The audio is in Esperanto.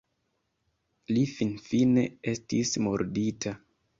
Li finfine estis murdita.